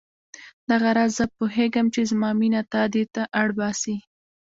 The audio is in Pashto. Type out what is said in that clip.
دغه راز زه پوهېږم چې زما مینه تا دې ته اړ باسي.